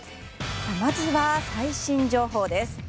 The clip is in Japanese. まずは、最新情報です。